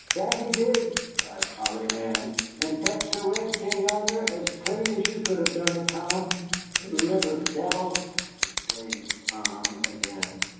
"That he did!" cried Polly Ann, "and fetched a redskin yonder as clean as you could have done it, Tom." "The little deevil!" exclaimed Tom again.